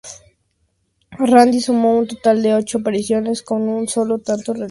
Randy sumó un total de ocho apariciones con un solo tanto realizado.